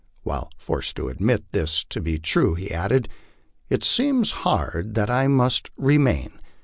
While forced to admit this to be true, he added, "It seems hard that I must re main."